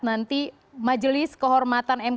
nanti majelis kehormatan mk ini akan diperoleh